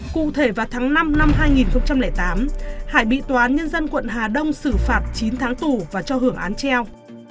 cụ thể vào tháng năm năm hai nghìn tám hải bị tòa án nhân dân quận hà đông xử phạt chín tháng tù và cho hưởng án treo